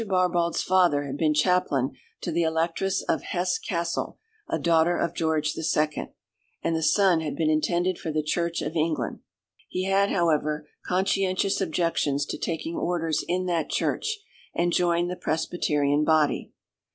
Barbauld's father had been chaplain to the Electress of Hesse Cassel, a daughter of George II, and the son had been intended for the Church of England. He had, however, conscientious objections to taking orders in that Church, and joined the Presbyterian body.